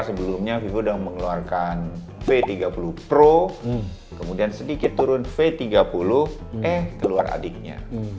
sebelumnya vivo sudah mengeluarkan p tiga puluh pro kemudian sedikit turun v tiga puluh keluar adiknya